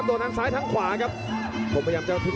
โหโหโหโหโหโหโหโหโหโหโหโหโหโหโหโหโห